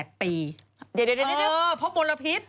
เดี๋ยวเออเพราะมลพิษ